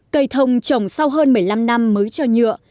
cây thông trồng sau hơn một mươi năm năm mới cho nhựa